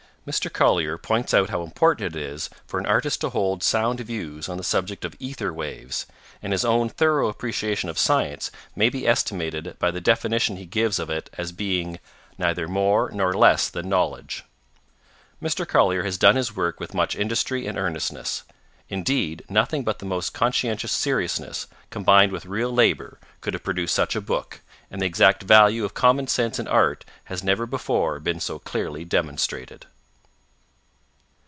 Mr. Collier points out how important it is for an artist to hold sound views on the subject of ether waves, and his own thorough appreciation of Science may be estimated by the definition he gives of it as being 'neither more nor less than knowledge.' Mr. Collier has done his work with much industry and earnestness. Indeed, nothing but the most conscientious seriousness, combined with real labour, could have produced such a book, and the exact value of common sense in art has never before been so clearly demonstrated.